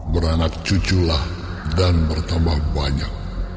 beranak cuculah dan bertambah banyak